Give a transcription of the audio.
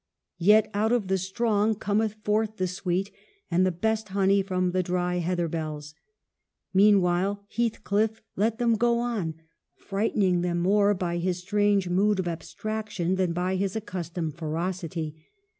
Yet, out of the strong cometh forth the sweet ; and the best honey from the dry heather bells. Meanwhile, Heathcliff let them go on, fright ening them more by his strange mood of abstrac tion than by his accustomed ferocity.